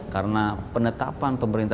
karena penetapan partner mereka